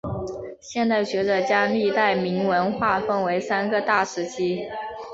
现代学者将历代铭文划分为三个大时期。